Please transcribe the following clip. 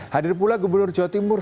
hadir pula gubernur jawa timur